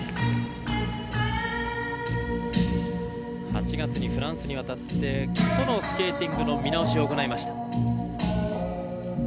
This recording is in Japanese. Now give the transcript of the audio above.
８月にフランスに渡って基礎のスケーティングの見直しを行いました。